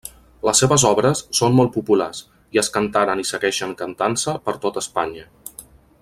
Les seves obres són molt populars, i es cantaren i segueixen cantant-se per tota Espanya.